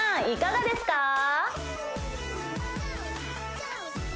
いかがですか？